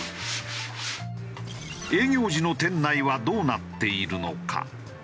営業時の店内はどうなっているのか？